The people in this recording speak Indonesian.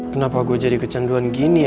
kenapa gua jadi kecanduan